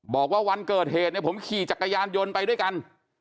บอกว่าวันเกิดเหตุเนี่ยผมขี่จักรยานยนต์ไปด้วยกัน